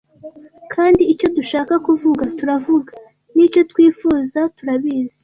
Kandi icyo dushaka kuvuga, turavuga, nicyo twifuza, turabizi.